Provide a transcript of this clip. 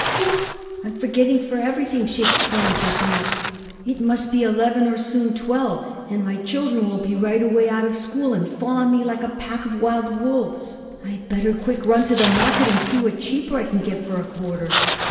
"Pshaw! I'm forgetting from everything," she exclaimed, jumping up. "It must be eleven or soon twelve, and my children will be right away out of school and fall on me like a pack of wild wolves. I better quick run to the market and see what cheaper I can get for a quarter."